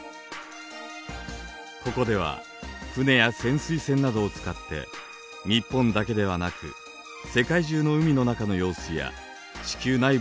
ここでは船や潜水船などを使って日本だけではなく世界中の海の中の様子や地球内部のことを調べています。